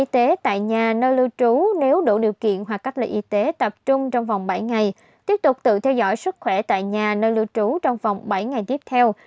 tiếp tục tự theo dõi sức khỏe tại nhà nơi lưu trú trong vòng một mươi bốn ngày tiếp theo